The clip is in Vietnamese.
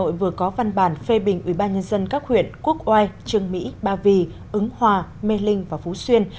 ubnd tp hcm vừa có văn bản phê bình ubnd các huyện quốc oai trường mỹ ba vì ứng hòa mê linh và phú xuyên